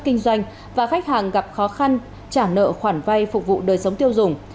kinh doanh và khách hàng gặp khó khăn trả nợ khoản vay phục vụ đời sống tiêu dùng